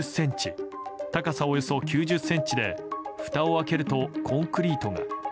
高さおよそ９０ｃｍでふたを開けるとコンクリートが。